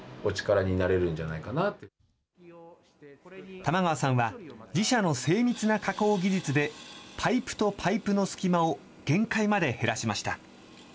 玉川さんは、自社の精密な加工技術で、パイプとパイプの隙間を限界まで減らしました。